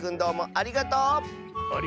ありがとう！